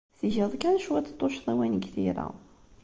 Tgiḍ kan cwiṭ n tuccḍiwin deg tira.